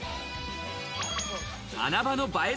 穴場の映え